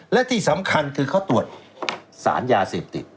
และที่สำคัญคือเขาตรวจสารยาเสพติด